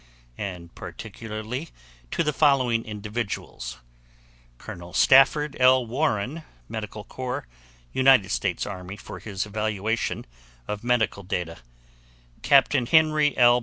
and particularly to the following individuals: Col. Stafford L. Warren, Medical Corps, United States Army, for his evaluation of medical data, Capt. Henry L.